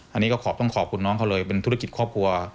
อันนี้ก็ต้องขอบคุณน้องเขาเลยเป็นธุรกิจครอบครัว